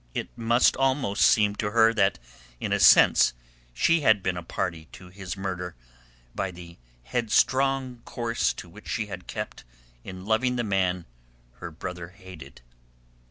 It must almost seem to her that in a sense she had been a party to his murder by the headstrong course to which she had kept in loving the man her brother hated.